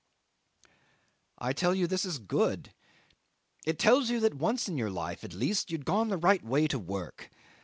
'I tell you this is good; it tells you that once in your life at least you had gone the right way to work.